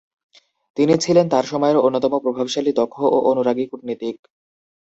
তিনি ছিলেন তাঁর সময়ের অন্যতম প্রভাবশালী, দক্ষ ও অনুরাগী কূটনীতিক।